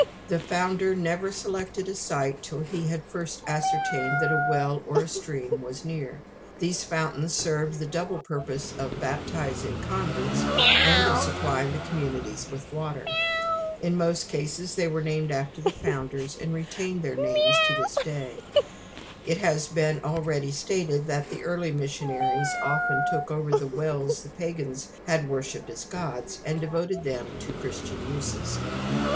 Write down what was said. The founder never selected a site till he had first ascertained that a well or a stream was near. These fountains served the double purpose of baptising converts and of supplying the communities with water. In most cases they were named after the founders, and retain their names to this day. It has been already stated how the early missionaries often took over the wells the pagans had worshipped as gods, and devoted them to Christian uses.